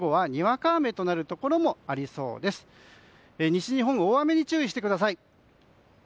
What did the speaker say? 西日本、大雨に注意してください。